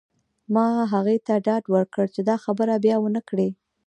ما هغې ته ډاډ ورکړ چې دا خبره بیا ونه کړې